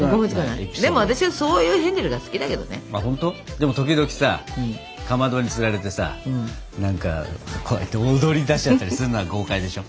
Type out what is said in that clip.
でも時々さかまどにつられてさ何かこうやって踊りだしちゃったりするのは豪快でしょ？